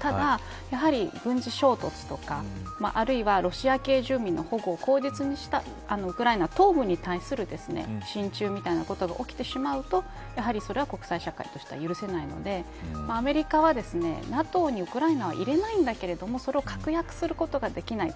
ただ、やはり軍事衝突とかあるいは、ロシア系住民の保護を口実にしたウクライナ東部に対する進駐みたいなことが起きてしまうとやはり、それは国際社会としては許せないのでアメリカはＮＡＴＯにウクライナは入れないんだけれどもそれを確約することができない。